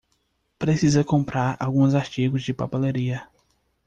Precisa comprar alguns artigos de papelaria